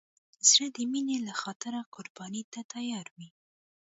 زړه د مینې له خاطره قرباني ته تیار وي.